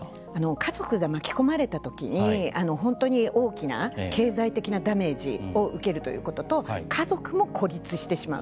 家族が巻き込まれたときに本当に大きな経済的なダメージを受けるということと家族も孤立してしまう。